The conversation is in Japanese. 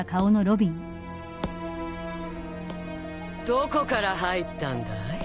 どこから入ったんだい？